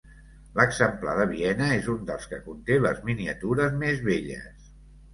L'exemplar de Viena és un dels que conté les miniatures més belles.